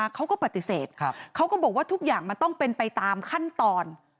เขาก็ปฏิเสธเขาก็บอกว่าทุกอย่างมันต้องเป็นไปตามขั้นตอน